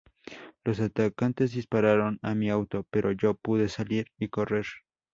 Los atacantes dispararon a mi auto pero yo pude salir y correr.